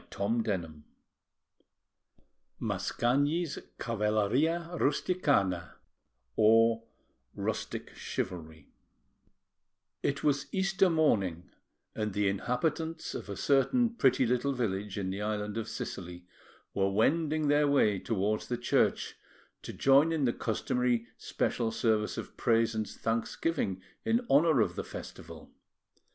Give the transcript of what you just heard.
[Illustration: MASCAGNI] CAVALLERIA RUSTICANA (Rustic Chivalry) It was Easter morning, and the inhabitants of a certain pretty little village in the island of Sicily were wending their way towards the church to join in the customary special service of praise and thanksgiving in honour of the festival.